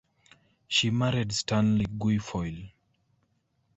She married Stanley Guilfoyle.